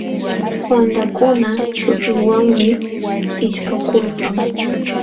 Wamlakuna chupinwanmi ishpakulkan.